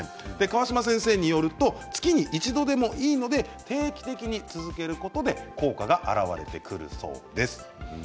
川島先生によると月に一度でもいいので定期的に続けることで効果が現れてくるそうです。